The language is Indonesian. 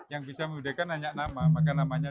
yang bisa memudahkan hanya nama maka namanya